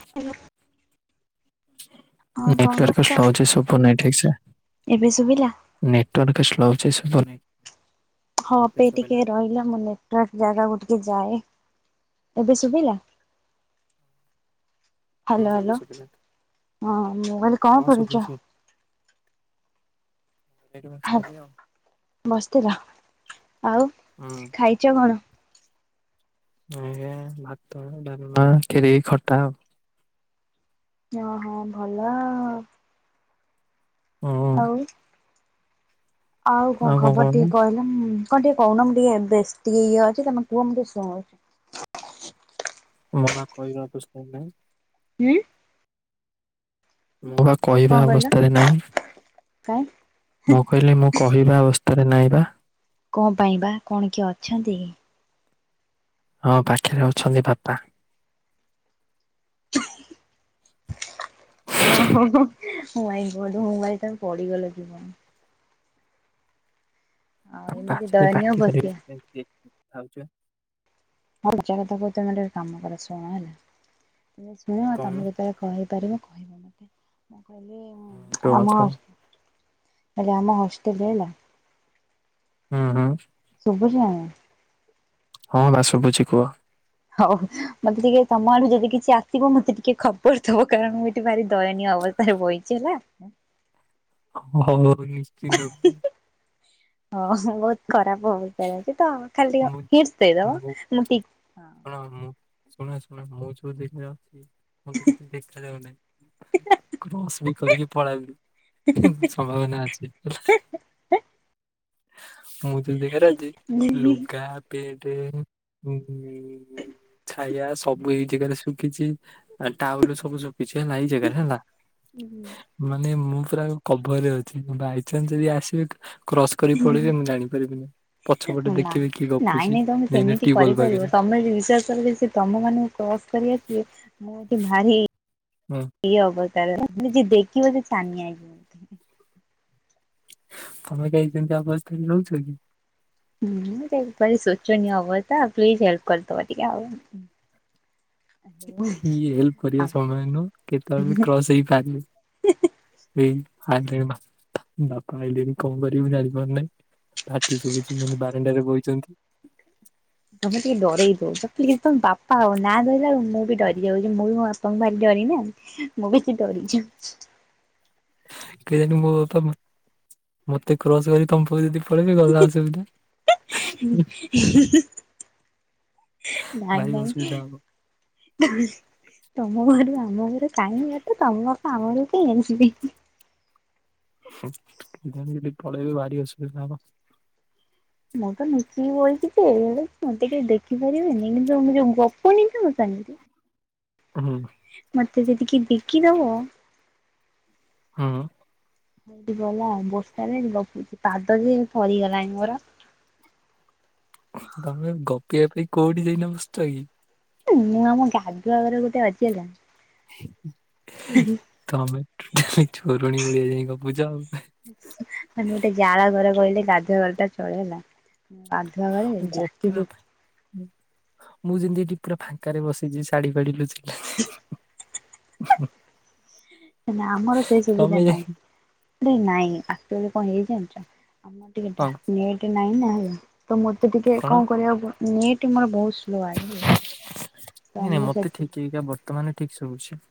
Hello. Network କରୁଛ? Slow ଅଛି ଶୁବୁନି ନାଇ ଠିକ ସେ। ଏବେ ଶୁଭିଲା ନେଟୱାର୍କ ସ୍ଲୋ ଅଛି ଶୁବ ନାଇଁ। ହଁ ହାପି ଭାଇ ଟିକେ ରହିଲା ମୁ ନେଟୱରକ୍ ଜାଗାକୁ ଟିକେ ଯାଏ। ଏବେ ଶୁବିଲା? [inaudible] ହାଲୋ ହାଲୋ ଶୁଭିଲା ହଁ ମୁଁ କହିଲି କଣ ହଁ କରୁଚ? ଶୁଭୁଛି ଏଇଠି ବସିଥିଲି ଆଉ [unintelligible] ବସିଥିଲ। ଆଉ ଖାଇଚ କଣ? ଆଜ୍ଞା ଭାତ, ଡାଲମା, ଖିରି, ଖଟା ଆଉ। ଓହୋ ଭଲ। ହୁଁ ଆଉ ଆଉ କଣ ଖବର ଟିକେ କହି କଣ ଟିକେ କୋଉନ ମୁଁ ଟିକେ ବେଶ ଟିକ ଇଏ ଅଛି। ତମେ କୁଅ ମୁଁ ଟିକେ ଶୁଣୁଚି। ମୁଁ ପା କହିବାକୁ ଶୁବୁନାଇ। ଉଁ। ମୁଁ ବା କଣ କହିବା କହିଲ ଅବସ୍ଥାରେ ନାହିଁ। କାଇଁ ମୁଁ କହିଲି ମୁଁ କହିବା ଅବସ୍ଥାରେ ନାହିଁ ବା। କଣ ପାଇଁ ବା କଣ କିଏ ଅଛନ୍ତି କି? ହଁ ପାଖରେ ଅଛନ୍ତି ବାପା। ଓହୋ ହୋ ହୋ ହି। ଓ ମାଇଁ ଗଡ ମୋ ମୋବାଇଲ ଟା ପଡିଗଲ କି କଣ। ଆଉ ବାପା ଏମିତି ଅଛନ୍ତି ଦୟନୀୟ ପାଟି କରିବେ ଅବସ୍ଥା ସେଥିପାଇଁ ଧିରେ [inaudible] ଖାଉଚି ପା। [unintelligible] ମଜା କଥା କୋହୁଚି ତମେ ଗୋଟେ କାମ କର ଶୁଣ ହେଲା ତମେ ଶୁଣ କହୁନୁ ତମେ ଯେତେବେଳେ କହିପାରିବ କହିବ ମତେ [unintelligible] ତୁ ଆଉ କହ [unintelligible] ଆମ ହଷ୍ଟେଲ ହେଲା। ହୁଁ ହୁଁ। ଶୁଭୁଚି ନା ନାଇଁ? ହଁ ବା ଶୁବୁଚି କୁହ। ହୋଉ ମତେ ଟିକେ ତମ ଆଡୁ ଯଦି କିଛି ଆସିବ ମତେ ଟିକେ ଖବର ଦେବ କାରଣ ମୁଁ ଏଠି ଭାରି ଦୟନୀୟ ଅବ ସ୍ଥାରେ ବ‌ଇଚି ହେଲା। ହୋଉ ହୋଉ ନିଶ୍ଚିନ୍ତ କ [inaudible] ଓହୋ ବୋହୁତ ଖରାପ ଅବସ୍ଥାରେ ଅଛି ତ ଖାଲି ଟିକେ ମୁଁ ହିଣ୍ଟସ୍ ଦେଇଦବ। ମୁଁ ଠିକ୍ ହଁ ହଁ ହଁ ଶୁଣା ଶୁଣା ହୋଉଚି [unintelligible] ମତେ କିଛି ଦେଖା ଯାଉନାଇଁ। କ୍ରସ୍ ବି କରିକି ପଳାବି [unintelligible] ସମ୍ଭାବନା ଅଛି। ମୁଁ ଯୋଉ ଯାଗାରେ ଅଛି ଲୁଗା ପେଣ୍ଟ ଉଁ ଛାୟା ସବୁ ମୁଁ ଏଇ ଜାଗାରେ ଶୁଖିଚି ଆ ଟାଉଏଲ ସବୁ ଶୁଖିଚି ହେଲା ଏଇ ଜାଗାରେ ହେଲା। ମାନେ ମୁଁ ପୁରା କଭରରେ ଅଛି ବାଇଚାନ୍ସ ଯଦି ଆସିବେ ତ କ୍ରସ୍ କରି ପଳେଇବେ ମୁଁ ଜାଣି ପାରିବିନି ପଛପଟେ ନା। ଦେଖିବେ କିଏ ନାଇଁ ଗପୁଚି ନାଇଁ ଏଇନେ ଟିବଲ ପାଖରେ। ଚଳିବେ ସିଏ ତମମାନଙ୍କୁ କ୍ରସ କରିକି ଆସିବେ ମୁଁ ଏଠି ଭାରି ହୁଁ। ଇଏ ଅବତାରେ ଯିଏ ଦେଖିବ ସିଏ ଛାନିଆ ହେଇଯିବ। ତମେ କାଇଁ ସେମିତି ଅବସ୍ଥାରେ ରହୁଛ କି? ହୁଁ ତ ଭାରି ସୋଚନିୟ ଅବସ୍ତା ପ୍ଲିଜ ହେଲପ୍ କରିଦବ ଟିକେ ଆଉ। [inaudible] ଇଏ ହେଲପ୍ କରିବା ସମୟ ନୁହଁ କେତେବେଳେ ବି କ୍ରସ ହେଇପାରିବେ। ଏଇ ଆଇଲେଣି ବା ବାପା ଆଇଲେଣି କଣ କରିବି ଜାଣିପାରୁନାଇଁ। ପାଟି ଶୁବୁଚି ମାନେ ବାରଣ୍ଡାରେ ବଇଚନ୍ତି। ତମେ ଟିକେ ଡରେଇ ଦୋଉଚ ପ୍ଲିଜ ତମେ ବାପା ଆଉ ନାଁ ଧଇଲା ବେଳକୁ ମୁଁ ବି ଡରିଯାଉଚି ମୁଁ ବି ମୋ ବା ତ ମୁଁ ଭାରି ଡରେଇ ନା ମୁଁ ବେଶି ଡରିଯାଉଚି। କେଜାଣି ମୋ ବାପା ମ ମତେ କ୍ରସ କରି ତମ ପାଖକୁ ଯଦି ପଳେଇିବି ଗଲା ଅସୁବିଧା। [inaudible] ନାଇଁ ଭାରି ନାଇଁ ଅସୁବିଧା ହବ। ତମ ଘରୁ ଆମ ଘର ଚାଇଁବାଟେ ତମକୁ ଆମ [unintelligible] ବି ହୁଁ ସୁବିଧା ଦେଖି ଯଦି ପଳେଇବି ଭାରି ଅସୁବିଧା ହବ। ମୁଁ ତ ନୁଚିକି ବଇଚି ଯେ ହେଲେ ସେମତି କେହି ଦେଖିପାରିବେନି କିନ୍ତୁ ମୁଁ ଯୋଉ ଗପୁନି ତମ ସାଙ୍ଗରେ ହୁଁ। ମତେ ଯଦି କେହି ଦେଖିଦବ। ହୁଁ। ହେଠୁ କହିଲା ବର୍ଷାରେ ଏଠି ଗପୁଛି ପାଦ ଯେ ଫଳିଗଲାଣି ମୋର। ତମେ ଗପିବା ପାଇଁ କୋଉଠି ଯାଇକିନା ବସଚ କି? ଉଁ ମୁଁ ଆମ ଗାଧୁଆ ଘର ଭିତରେ ଅଛି ହେଲା। ତମେ ଟୋଟାଲି ଚୋରୁଣୀ ଭଳିଆ ଯାଇଁ ଗପୁଚ ଆଉ। ମାନେ ଗୋଟେ ଜାଳ ଘର କହିଲେ ଗାଧୁଆଘରଟା ଚଳେ ହେଲା ଗା ଗୋପିବା ପାଇଁ ମୁଁ ଯେମତି ଏଠି ପୁରା ଫାଙ୍କରେ ବସିଚି ଶାଢୀ ପାଢି ଲୁଚିକି [inaudible] ଉହୁ। ହେ ନା ଆମର ସେଇ ସୁବିଧା ନାଇଁ ବେ ନାଇଁ ଆକଚୋଲି କଣ ହେଇଚି ଜାଣିଚ ଆମ ଟିକେ ଡା କଣ ନେଟେ ନାହିଁ ନା ତ ମତେ ଟିକେ କଣ କରିବାକୁ ପ ନେଟ ମୋର ବୋହୁତ ସ୍ଲୋ ଆ ନାଇଁ ନାଇଁ ମତେ ଠିକି ଏକା ବର୍ତ୍ତମାନ ଠିକ ଶଭୁଛି।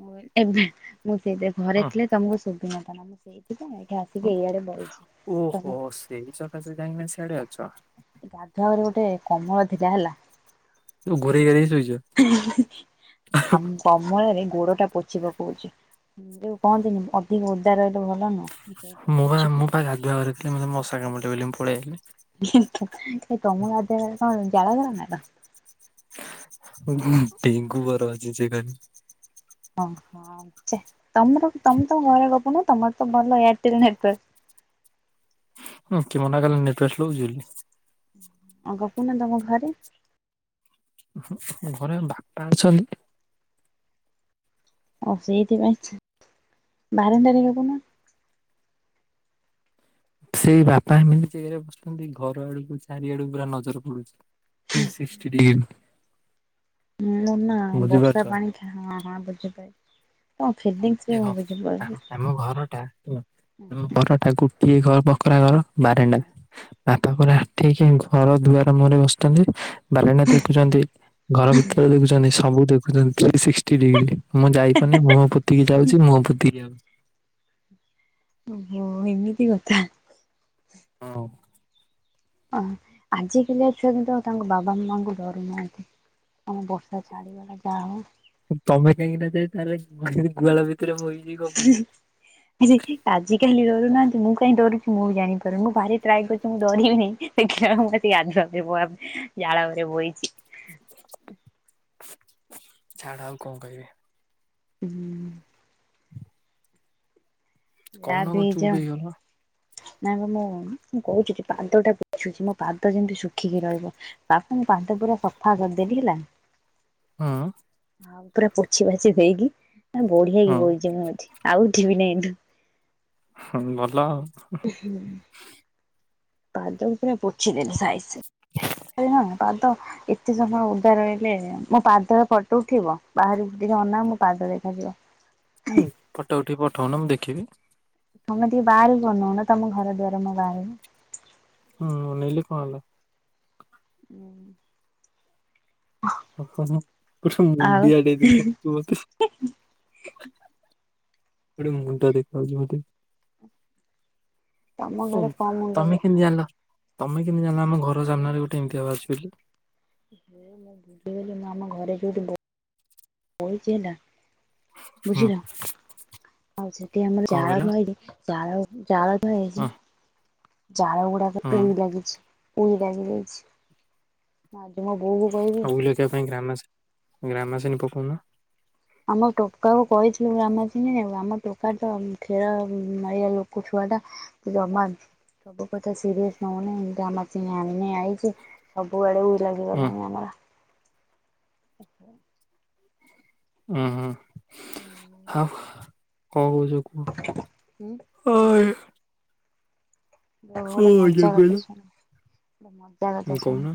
ମୁଁ ଏବେ ମୁଁ ସେଇଥି ଘରେ ହଁ ଥିଲେ ତମକୁ ଶୁଭିନ ନଥାନ୍ତା ମୁଁ ସେଇଥି ପାଇଁ ଏଇଠି ଆସ୍ ହଁ। ସିକି ଏଇଆଡେ ବଇଛି ଓହୋ ତମ ସେଇ ସକାଶେ କାହିଁକିନା ସିଆଡେ ଅଛ। ଏ ଗାଧୁଆଘରେ ଗୋଟେ କମଳ ଥିଲା ହେଲା ଘୋରୋଇ ଘାରେଇ ଶୋଇଚ। ଆମ କମଳରେ ଗୋଡଟା ପୋଛିପକୋଉଚି ଯୋଉ କହନ୍ତିନି ଅଧିକ ଓଦା ରହିଲେ ଭଲ ନୁହଁ। ସେଇଥିପାଇଁ ମୁଁ ପା ପୋଛି ମୁଁ ପୋଛି ପା ଗାଧୁଆଘରେ ଥିଲି ମତେ ମଶା କାମୁଡିବ ବୋଲି ମୁଁ ପଳିଆଇଲି। କିନ୍ତୁ ଯେ ତମ ଗାଧୁଆଘରେ କଣ ଚାଳଘର ନା କଣ? ହୁଁ ଡେଙ୍ଗୁ ବର ଅଛି ସେଘରେ। ହଁ ହଁ ଚେ ତମର ତମେ ତମ ଘରେ ଗପୁନ ତମର ତ ଭଲ ଏୟାରଟେଲ ନେଟୱାର୍କ। ହୁଁ କିଏ ମନାକଲା ନେଟୱାର୍କ ସ୍ଲୋ ହୋଉଚି ବୋଲି। ଆ ଗପୁନ ତମ ଘରେ। ଉହୁଁ ଘରେ ବାପା ଅଛନ୍ତି। ଆଉ ସେଇଥିପାଇଁ ଚ ବାରଣ୍ଡାରେ ଗପୁନ। ସେଇ ବାପା ଏମିତି ଯେଗାରେ ବସୁଚନ୍ତି ଘର ଆଡକୁ ଚାରିଆଡକୁ ପୁରା ନଜର ପଡୁଚି। Three sixty degree. ମୁଁଁ ନା ବୁଝିପାରୁଛ ବର୍ଷା ପାଣି ହଁ ହଁ ବୁଝିପାର ତ ଫିଲିଙ୍ଗ ଦେଖ ଆମ ଘରଟା ଆମ ଘରଟା ଗୋଟିଏ ଘର ବକରା ଘର ବାରଣ୍ଡା ବାପା କ ଠିକ ଘର ଦୁଆର ମୁହରେ ବସିଛନ୍ତି ବାରନା ଦେଖୁଛନ୍ତି ଘର ଭିତରେ ଦେଖୁଛନ୍ତି ସବୁ ଦେଖୁଛନ୍ତି ଥ୍ରୀ ସିକ୍ସଟି ଡିଗ୍ରୀ। ମୁଁ ଯାଇପାରୁନି ମୁଁହ ପୋତିକି ଯାଉଛି ମୁଁହ ପୋତିକି ଯାଉଛି। ଓହୋ ଏମିତି କଥା। ହଁ। ଅ ଆଜିକାଲିଆ ଛୁଆ କିନ୍ତୁ ଆଉ ତାଙ୍କ ବାବା ମାଙ୍କୁ ଡରୁନାହାନ୍ତି। ଆଲୋ ବର୍ଷା ଛାଡିଲାନା କଣ? ତମେ କାହିଁକିନା ଯାଇ ତାହଲେ ଗୁହାଳ ଭିତରେ ବୋଇ [inaudible] ଆଜି କାଲି ଡରୁନାହାନ୍ତି ମୁଁ କାହିଁ ଡରୁଛି ମୁଁବି ଜାଣିପାରୁନି ମୁଁ ଭାରି ଟ୍ରାଏ କରୁଛି ମୁଁ ଡରିବିିନି। [unintelligible] ଛାଡ ଆଉ କଣ କହିବି? ହୁଁ। ଚା କହୁନ କଣ ଚୁପ୍ ପିଇଚ। ହେଇଗଲ ହୁଁ ନାଇଁ ବା ମୁଁ ମୁଁ କହୁଛି ଯେ ପାଦଟା ପଛୁଛି ମୋ ପାଦ ଯେମିତି ଶୁଖିକି ରହିବ ବାପୁଁ ପାଦପୁରା ସଫା କରିଦେଲିି ହେଲା। ହଁ। ଆଉ ପୁରା ପୋଛି ପାଛି ଦେଇକି ବଢିଆକିି ହୁଁ ବଇଛି ମୁଁ ଏଠି ଆଉ ଯିବିନାହିଁ କିନ୍ତୁ। ହଁ ଭଲ ଆଉ। [unintelligible] ପାଦକୁ ପୁରା ପୋଛିଦେଲି ସାଇଜି ପାଦ ଏତେ ସମୟ ଓଦା ରହିଲେ ମୋ ପାଦର ଫଟ ଉଠିବ ବାହାରକୁ ଟିକେ ଅନାଅ ମୋ ପାଦ ଦେଖାଯିବ। ହୁଁ ଫଟ ଉଠେକି ବଠଉନ ମୁଁ ଦେଖିବି। ତମେ ଟିକେ ବାହାରକୁ ଅନଉନ ତମ ଘର ଦୁଆର ମଁ ବାହାରିବି। ହୁଁ ନେଲି କଣ ହେଲା? ଓ ପୁରା ଆଉ ମୁଣ୍ଡିଆଦେଇଥିଲ ମତେ ଗୋଟେ ମୁଣ୍ଡ ଦେଖାଉଛି ବୋଧେ। ତମ ହଉ ଘରେ କଣ ମୁଣ୍ଡ ତମେ ଦେଖା କେମିତି ହଉଛି। ଜାଣିଲ ତମେ କେମିତି ଜାଣିଲ ଆମ ଘର ମୁଁ ସାମ୍ନାରେ ଗୋଟେ ଏମିତି ବାହାରୁଛି ବୋଲି। [unintelligible] ବଇଛି ହେଲା ହୁଁ ବୁଝିଲ ଆଉ ସେଠି ଆମର କଣ କହିଲ ଜାଳରୁ ଆଇଲେ ଚାଳ ଚାଳରୁ ହେଇଛି ହଁ ଚାଳ ଗୁଡାକ ହଁ ଉଇ ଲାଗିଛି। ମୁଁ ରାଗି ଯାଇଛି ଆଜି ମୋ ବୋଉକୁ କହିବି ଇଆ ପାଇଁ ଗ୍ରାମା ଗ୍ରାମାସିନି ପକଉନ। ଆମ ଟୋକାକୁ କହିଥିଲୁ ଗ୍ରାମାସିନ ଆଣିଆକୁ ଆମ ଟୋକାତ ଖେଳ ମାରିବା ଲୋକ ଛୁଆଟା ଜମା ସବୁ କଥା ସିରିଅସ୍ ନଉନି ଗାମାସିନ ଆଣିନି ଆଇଚି। ସବୁଆଡେ ଉଇ ଉଁ ଲାଗିଗଲେଣି ଆମର। ଉହୁଁ। [unintelligible] ହାଁ କଣ କହୁଛ କୁହ ଅଇଁ। ଆଉ ଗୋଟେ କହୁଛ ମଜା କହିଲ? କଥା ଶୁଣ ଗୋଟେ ମ ଜା କଥା କହୁନ ଶୁଣ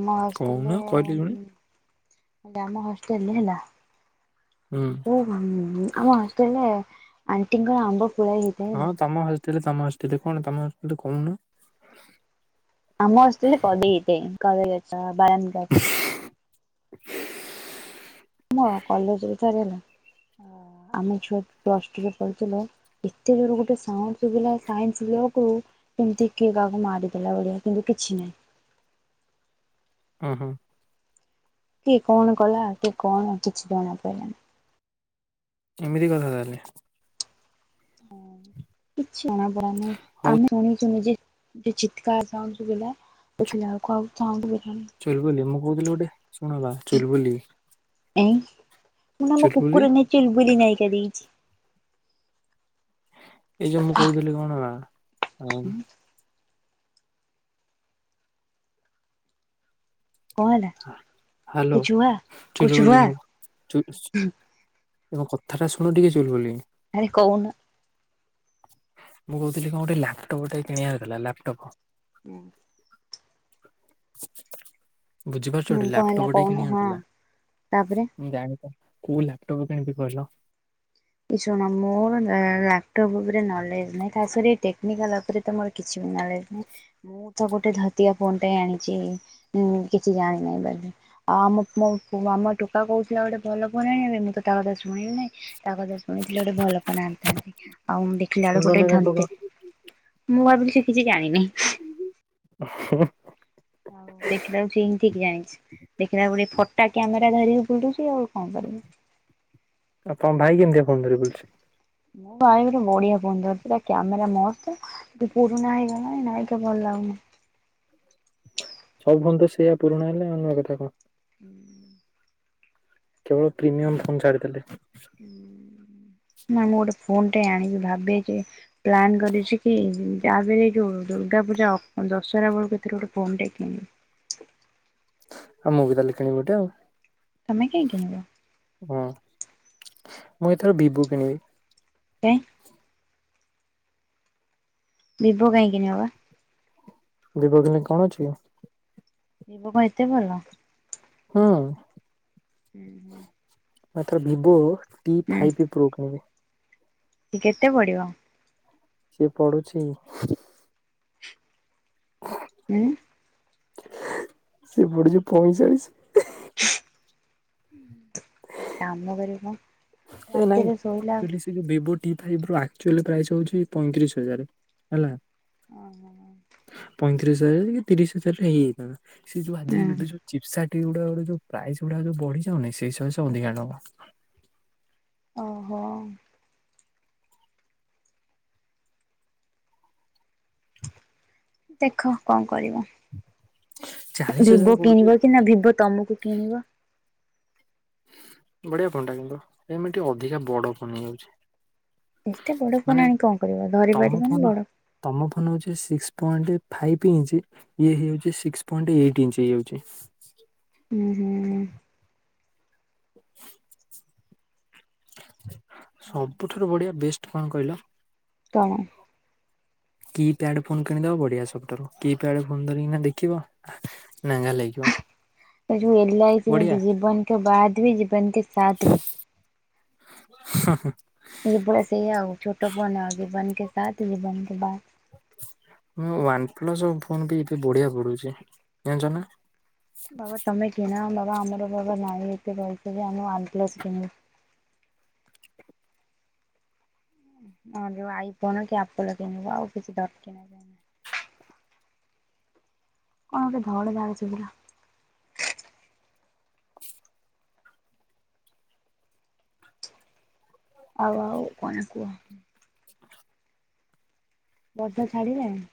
ଆମ କହୁନ କହିଲେ ଶୁଣେ ହଷ୍ଟେଲରେ ଆମ ହଷ୍ଟେଲ ରେ ହେଲା ହୁଁ। ହ ଆମ ହଷ୍ଟେଲ ରେ ଆଣ୍ଟିଙ୍କ ଆମ୍ବ ଫୁଲ ହଁ ତମ ହଷ୍ଟେଲ ତମ ହଷ୍ଟେଲ କଣ ତମ ଆସୁଥିଲେ କହୁନ। ଆମ ହଷ୍ଟେଲରେ ପଡିତେ କଲେଜ ବାରଣ୍ଡାରେ। [inaudible] ମୋ କଲେଜରେ ତାର ହେଲା ଆମ ଛୁଆ ପ୍ଲସ ଟୁ ରେ ପଢୁଥିଲେ। ଏତେ ଜୋର ଗୋଟେ ସାଉଣ୍ଟୁ ହେଲା ସାଇନ୍ସ ଇଏକୁୁ। କେମିତି କିଏ କାହାକୁ ମାରିଦେଲା ଭଳିଆ କିନ୍ତୁ କିଛି ନାହିଁ। ହୁଁ ହୁଁ। କିଏ କଣ କଲା କିଏ କଣ କିଛି ଜଣା ପଡଲାନି। ଏମିତି କଥା ତାହେଲେ। ହଁ କିଛି ଜଣା ପଇଲାନି ହଉ ଆମେଶୁଣିଛୁ ନିଯେ। ଏ ଚିତ୍କାର ସାଉଣ୍ଡ ଶୁଭିଲା ଦେଖିଲାବେଳକୁ ଆଉ ସାଉଣ୍ଡ ହେଲାନି। ଚୁଲବୁଲି ମୁଁ କହୁଥିଲି ଗୋଟେ ଶୁଣବା ଚୁଲବୁଲି। ଏଇଁ ମୁୁଁ ନା ମୋ ଚୁଲବୁଲି କୁକୁର ନାଁ ଚୁଲବୁଲି ନାୟିକା ଦେଇଛି। ଏଇ ଯୋଉ ମୁଁ କହୁଥିଲି କଣ ନା ଆଉ କଣ ହେଲା ହ୍ୟାଲୋ କୁଛୁ ହୁଆ କୁଛୁ ଚୁଲବୁଲି ହୁଆ ମୁଁ। ଚୁଲ୍ ଏ ମୋ କଥାଟା ଶୁଣ ଟିକେ ଚୁଲବୁଲି। ଆରେ କହୁନ? ମୁଁ କହୁଥିଲି କଣ ଗୋଟେ ଲାପଟପ୍ ଟେ କିଣିବାର ଥିଲା ଲାପଟପ୍। ହୁଁ। ବୁଝିପାରୁଛ ଟି କଣ ଲାପଟପ୍ ହେଲା ଟେ କହୁନ କିଣବାର ହଁ ଥିଲା। ତାପରେ ମୁଁ ଜାଣିପା କୋଉ ଲାପଟପ୍ କିଣିିବି କିହିଲ? ଏ ଶୁଣ ମୋର ଲା ଲାପଟପ୍ ଉପରେ ନଲେଜ ନାହିଁ। ଖାସ କରି ଏ ଟେକ୍ନିକାଲ ଉପରେ ତ ମୋର କିଛି ବି ନଲେଜ ନାହିଁ। ମୁଁ ତ ଗୋଟେ ଧତିଆ ଫୋନ ଟେ ଆଣିଛି ଉଁ କିଛି ଜାଣିିନାହିଁ ବୋଲି। ଆଉ ଆମ ମୋ ଆମ ଟୋକା କହୁଥିଲା ଗୋଟେ ଭଲ ଫୋନ୍ ଆଣିବା ପାଇଁ ମୁଁ ତ ତା କଥା ଶୁଣିଲି ନାହିଁ। ତା କଥା ଶୁଣିଥିଲେ ଗୋଟେ ଭଲ ଫୋନ୍ ଆଣିଥାନ୍ତି। ଆଉ ଦେଖିଲା ବେଳକୁ ଗୋଟେ ଶୁଣିଲନି କାଇଁ ଟୋକା ଧନ୍ତେ ମୁଁ ଭାବିଲି ସେ କିଛି ଜାଣିନେଇ। [unintelligible] ହଉ ଦେଖିଲାଉ ସେ ହିଁ ଠିକ ଜାଣିଛି। ଦେଖିଲା ବେଳକୁ ଫଟା କ୍ୟାମେରା ଧରିକି ବୁଲୁଛି ଆଉ କଣ କରିବ? ଆପଣ ଭାଇ କେମିତିଆ ଫୋନ୍ ଧରିକି ବୁଲୁଛି? ମୋ ଭାଇ ଗୋଟେ ବଢିଆ ଫୋନ୍ ଧରିଛି ତାର କ୍ୟାମେରା ମସ୍ତ। ସିଏ ପୁରୁଣା ହେଇଗଲାଣି ନାଁ ଏଟା ଭଲ ଲାଗୁନି। ସବୁ ଫୋନ୍ ତ ସେଇଆ ପୁରୁଣା ହେଲେ ଆଉ ନୂଆ କଥା କଣ? ହୁଁ। କେବଳ ପ୍ରିମିୟମ ଫୋନ୍ ଛାଡ଼ିଥିଲି। ହୁଁ ନା ମୁଁ ଗୋଟେ ଫୋନ୍ ଟେ ଆଣିବି ଭାବେ ଯେ ପ୍ଲାନ୍ କରିଛି କି ଯା ବି ହେଲେ ଏ ଯଉଁ ଦୁର୍ଗା ପୂଜା ଅଫ ଦଶହରା ବେଳକୁ ଏଥିର ଗୋଟେ ଫୋନ ଟେ କିଣିବି। ଆଉ ମୁଁ ବି ତାହେଲେ କିଣିବି ଗୋଟେ ଆଉ। ତମେ କାଇଁକି କିଣିବ? ହଁ ମୁଁ ଏଥର ଭିବୁ କିଣିବି। କାଇଁ? ଭିବୋ କାଇଁ କିଣିବ ବା? ଭିବୋ କିଣିଲେ କଣ ଅଛି କି? ଭିବୋ କଣ ଏତେ ଭଲ? ହୁଁ। ହୁଁ ହୁଁ। ମାତ୍ର ଭିବୋ ଟି ଫାଇ୍ପ୍ ପ୍ରୋ କିଣିବି। ସେ କେତେ ପଡ଼ିବ? ସିଏ ପଡୁଛି ହିଁ। ଉଁ। ସିଏ ପଡୁଚି ପଇଁଚାଳିଶ। ଗୋଟେ କାମ କରିବ? ଏ ନାଇଁ ରାତିରେ ଶୋଇଲା ଚୁଲି ଭିବୋ ଟି ଫାଇପ୍ ର ଆକ୍ଚୁଆଲୀ ପ୍ରାଇସ୍ ହଉଛି ପଇଁତିରିଶ ହଜାର ହେଲା। ଓହୋ। ପଇଁତିରିଶ ହଜାର କି ତିରିଶ ହଜାରରେ ହେଇ ଯାଇଥାନ୍ତା। ସେ ଯୋଉ ଆଜି ଏବେ ଯୋଉ ଚିପ୍ସାଟି ଗୁଡା ଯୋଉ ପ୍ରାଇସ୍ ଗୁଡା ଯୋଉ ବଢିଯାଉନି ସେଇ ସକାସେ ସେ ଅଧିକା ନବ ଓହୋ। ଦେଖ କଣ କରିବ ଚାଳିଶ ହଜାର ଭିବୋ ପଡୁଛି ଆଉ କିଣିବ କି ନା ଭିବୋ ତମକୁ କିଣିବ ବଢିଆ ଫୋନ ଟା କିନ୍ତୁ ଏମିତି ଅଧିକା ବଡ ଫୋନ ହେଇଯାଉଛି। ଏତେ ବଡ଼ ମାନେ ଫୋନ ଆଣି କଣ କରିବ ତମ ଧରିପାରିବ ନା ଫୋନ ବଡ଼ ତମ ଫୋନ ହୋଉଛି ସିକ୍ସ ପଏଣ୍ଟ ଫାଇଭ୍ ଇଞ୍ଚ ଇଏ ହେଇ ଯାଉଛି ସିକ୍ସ ପଏଣ୍ଟ ଏଇଟ ଇଞ୍ଚ ହେଇଯାଉଛି। ହୁଁ ହୁଁ। ସବୁଠାରୁ ବଢିଆ ବେଷ୍ଟ କଣ କହିଲ? କଣ? କି ପ୍ୟାଡ ଫୋନ୍ କିଣିଦବ ବଢିଆ ସବୁଠାରୁ କି ପ୍ୟାଡ ଫୋନ ଧରିକି ନା ଦେଖିବ। ନାଙ୍ଘା ଲାଗିବ। ଏଇ ଯୋଉ ଏଲ ଆଇ ସି ବଢିଆ ଯେମତି ଜୀବନ କେ ବାଦ୍ ବି ଜୀବନ କେ ସାଥ ବି। ହ ହ ଇଏ ପୁରା ସେୟା ଆଉ ଛୋଟ ଫୋନ ହ ଜୀବନ କେ ସାଥ ଜୀବନ କେ ବାଦ୍। ମୁ ୱାନ ପ୍ଲସ ଫୋନ ବି ଏବେ ବଢିଆ ପଡୁଛି ଜାଣିଛ ନା? ବାବା ତମେ କିଣ ବାବା ଆମର ବାବା ନାଇଁ ଏତେ ପଇସା ଯେ ଆମେ ୱାନ୍ ପ୍ଲସ୍ କିଣିବୁ। ହଁ ଯୋଉ ଆଇ ଫୋନ କି ଆପଲ କିଣିବ ଆଉ କିଛି ଦରକାରନା କଣ ଗୋଟେ ଧଡ ଧାଡ଼୍ ଶୁଭିଲା। ଆଉ ଆଉ କଣ କୁହ? ବର୍ଷା ଛାଡ଼ିଲାଣି?